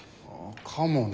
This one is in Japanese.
かもね。